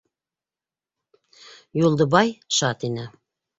Юлдыбай шат ине.